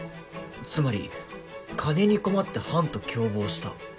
つまり金に困ってハンと共謀した。